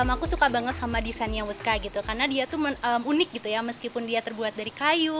aku suka banget sama desainnya woodka gitu karena dia tuh unik gitu ya meskipun dia terbuat dari kayu